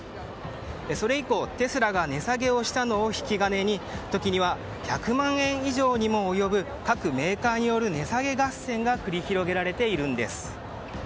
それ以降、テスラが値下げをしたのを引き金に時には１００万円以上にも及ぶ各メーカーによる値下げ合戦が繰り広げられているんです。